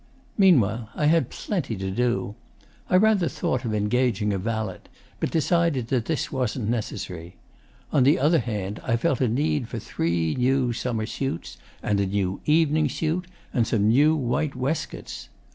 'Meanwhile, I had plenty to do. I rather thought of engaging a valet, but decided that this wasn't necessary. On the other hand, I felt a need for three new summer suits, and a new evening suit, and some new white waistcoats.